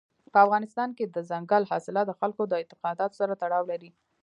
په افغانستان کې دځنګل حاصلات د خلکو د اعتقاداتو سره تړاو لري.